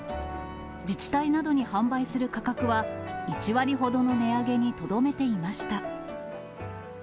自治体などに販売する価格は、１割ほどの値上げにとどめていました。